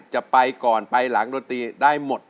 จะไปก่อนไปหลังดนตรีได้หมด